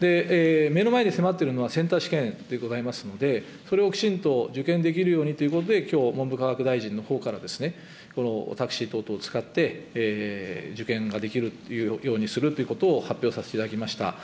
目の前に迫っているのはセンター試験でございますので、それをきちんと受験できるようにということで、きょう、文部科学大臣のほうから、タクシー等々を使って、受験ができるようにするということを、発表させていただきました。